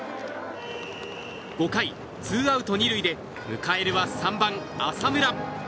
５回、ツーアウト２塁で迎えるは３番、浅村。